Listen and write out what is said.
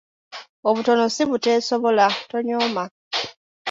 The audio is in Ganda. Obutono si buteesobula, tonnyooma.